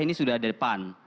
ini sudah ada pan